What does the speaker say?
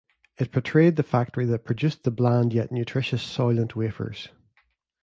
It portrayed the factory that produced the bland yet nutritious "Soylent" wafers.